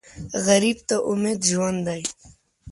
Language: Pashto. غریب ته امید ژوند دی